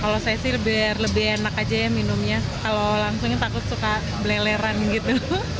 lebih enak saja ya minumnya kalau langsungnya takut suka beleleran gitu